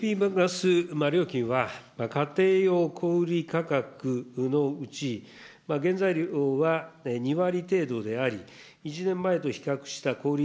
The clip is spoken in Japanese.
ＬＰガス料金は、家庭用小売り価格のうち、原材料は２割程度であり、１年前と比較した小売り